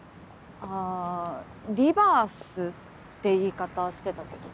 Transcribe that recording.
あリバースって言い方してたけど。